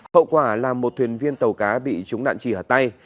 hậu quả là một thuyền viên tàu cá bị trúng đạn trì ở tay